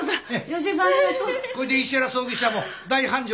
これで石原葬儀社も大繁盛どすわな。